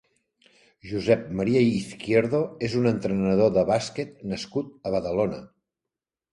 Josep Maria Izquierdo és un entrenador de bàsquet nascut a Badalona.